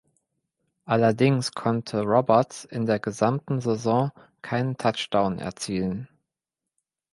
Allerdings konnte Roberts in der gesamten Saison keinen Touchdown erzielen.